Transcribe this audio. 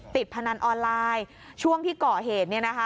พนันออนไลน์ช่วงที่ก่อเหตุเนี่ยนะคะ